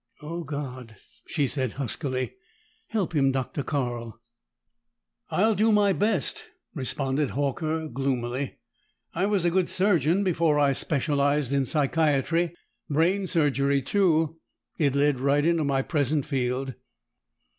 "Oh God!" she said huskily. "Help him, Dr. Carl!" "I'll do my best," responded Horker gloomily. "I was a good surgeon before I specialized in psychiatry. Brain surgery, too; it led right into my present field."